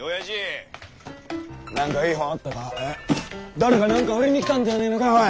誰かなんか売りに来たんじゃねーのかおい。